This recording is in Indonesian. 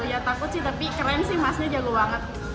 ya takut sih tapi keren sih emasnya jago banget